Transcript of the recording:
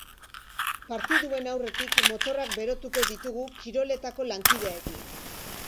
Partiduen aurretik motorrak berotuko ditugu kiroletako lankideekin.